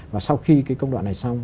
và sau khi công đoạn này xong